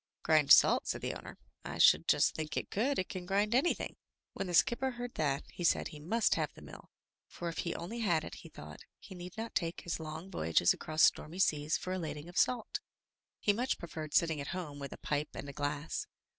"Grind salt!" said the owner. "I should just think it could. It can grind anything." When the skipper heard that, he said he must have the mill, for if he only had it, he thought, he need not take his long voy 163 MY BOOK HOUSE ages across stormy seas for a lading of salt. He much preferred sitting at home with a pipe and a glass.